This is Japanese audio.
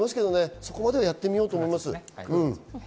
そこまではやってみようと思います。